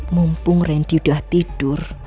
mumpung randy udah tidur